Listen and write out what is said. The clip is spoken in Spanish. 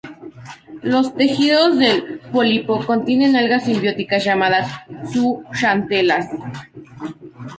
Los tejidos del pólipo contienen algas simbióticas llamadas zooxantelas.